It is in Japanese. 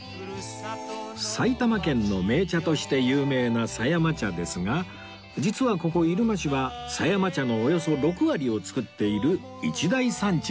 埼玉県の銘茶として有名な狭山茶ですが実はここ入間市は狭山茶のおよそ６割を作っている一大産地なんです